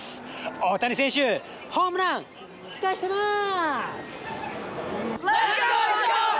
大谷選手、ホームラン、期待してます！